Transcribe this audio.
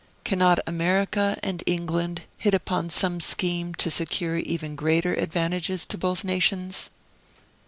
Cannot America and England hit upon some scheme to secure even greater advantages to both nations?